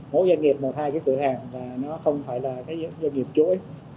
mỗi gia kiệp một hai cái cửa hàng và nó không phải là cái doanh nghiệp chuỗi